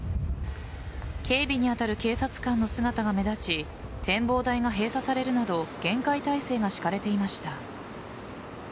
警備に当たる警察官の姿が目立ち展望台が閉鎖されるなど厳戒態勢が敷かれていました。